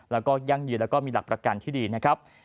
แล้วก็ยั่งยืนแล้วก็มีหลักประกันที่ดีนะครับ